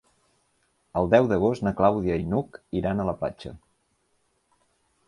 El deu d'agost na Clàudia i n'Hug iran a la platja.